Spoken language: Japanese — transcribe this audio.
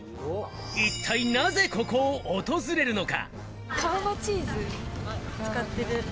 一体、なぜここを訪れるのか？